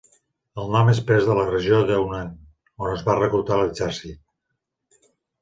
El nom és pres de la regió de Hunan, on es va reclutar l'exèrcit.